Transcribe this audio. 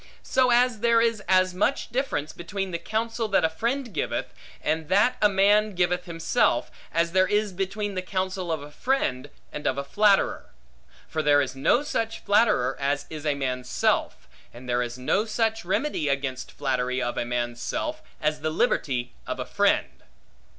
So as there is as much difference between the counsel, that a friend giveth, and that a man giveth himself, as there is between the counsel of a friend, and of a flatterer. For there is no such flatterer as is a man's self; and there is no such remedy against flattery of a man's self, as the liberty of a friend.